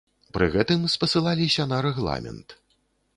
Пры гэтым спасылаліся на рэгламент.